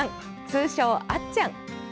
通称、あっちゃん。